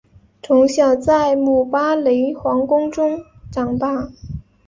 从小在姆巴雷皇宫中长大。